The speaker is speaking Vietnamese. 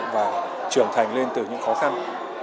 và trưởng thành lên từ những khó khăn